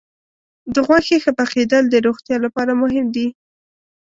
د غوښې ښه پخېدل د روغتیا لپاره مهم دي.